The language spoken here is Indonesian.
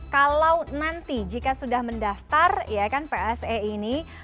kalau nanti jika sudah mendaftar ya kan pse ini